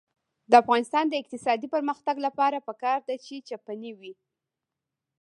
د افغانستان د اقتصادي پرمختګ لپاره پکار ده چې چپنې وي.